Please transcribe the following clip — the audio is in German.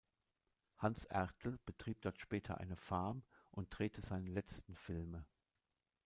Hans Ertl betrieb dort später eine Farm und drehte seine letzten Filme.